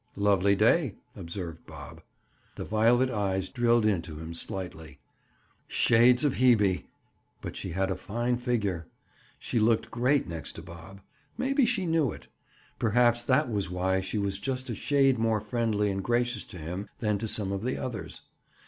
"Lovely clay," observed Bob. The violet eyes drilled into him slightly. Shades of Hebe! but she had a fine figure! She looked great next to Bob. Maybe she knew it. Perhaps that was why she was just a shade more friendly and gracious to him than to some of the others.